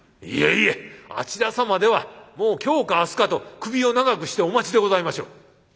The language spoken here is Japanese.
「いえいえあちら様ではもう今日か明日かと首を長くしてお待ちでございましょう」。